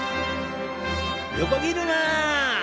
横切るな。